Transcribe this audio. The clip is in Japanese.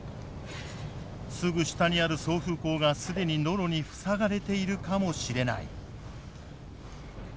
すぐ下にある送風口が既にノロに塞がれているかもしれない。